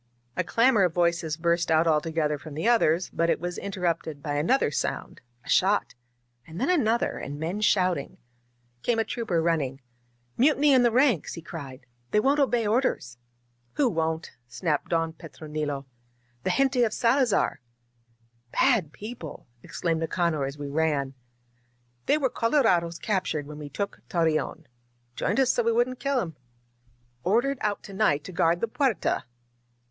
A clamor of voices burst out all together from the others, but it was interrupted by another sound — a shot, and then another, and men shouting. Came a trooper running. "Mutiny in the ranks!" he cried. They won't obey orders !" "Who won't?" snapped Don Petronilo. "The gente of Salazar !" "Bad people !" exclaimed Nicanor as we ran. "They were colorados captured when we took Torreon. Joined us so we wouldn't kill 'em. Ordered out to night to guard the Puerta!"